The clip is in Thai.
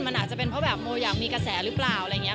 มันอาจจะเป็นเพราะแบบโมอยากมีกระแสหรือเปล่าอะไรอย่างนี้